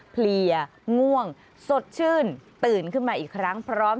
เพลียง่วงสดชื่นตื่นขึ้นมาอีกครั้งพร้อม